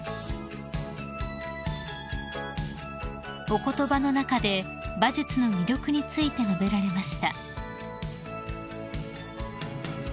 ［お言葉の中で馬術の魅力について述べられました］